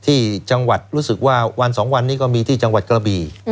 ที่จังหวัดรู้สึกว่าวันสองวันนี้ก็มีที่จังหวัดกระบี่